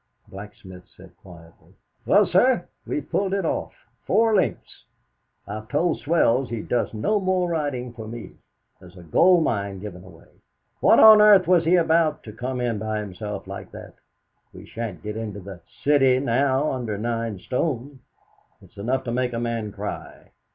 Blacksmith said quietly: "Well, sir, we've pulled it off. Four lengths. I've told Swells he does no more riding for me. There's a gold mine given away. What on earth was he about to come in by himself like that? We shan't get into the 'City' now under nine stone. It's enough to make a man cry!"